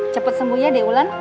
cepet sembuh ya deh ulan